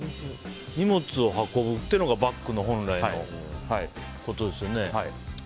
荷物を運ぶっていうのがバッグの本来のことですよね。